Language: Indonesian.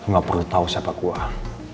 ga perlu tau siapa gue